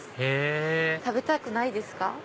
へぇ食べたくないですか？